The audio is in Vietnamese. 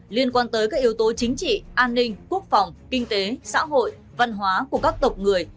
liên quan tới các yếu tố chính trị an ninh quốc phòng kinh tế xã hội văn hóa của các tộc người